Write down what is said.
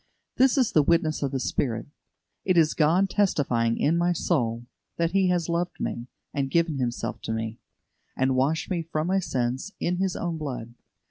This is the witness of the Spirit. It is God testifying in my soul that He has loved me, and given Himself for me, and washed me from my sins in His own blood.